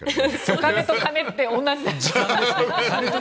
お金と金って、同じ。